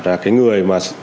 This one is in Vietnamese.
rằng cái người mà